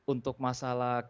untuk masalah kebersihan